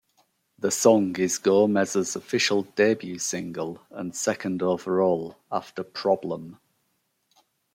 The song is Gomez's official debut single, and second overall, after "Problem".